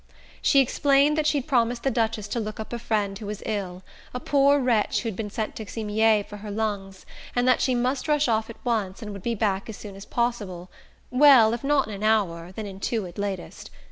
She explained that she'd promised the Duchess to look up a friend who was ill a poor wretch who'd been sent to Cimiez for her lungs and that she must rush off at once, and would be back as soon as possible well, if not in an hour, then in two at latest.